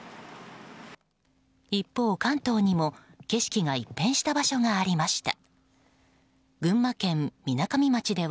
一方、関東にも景色が一変した場所がありました。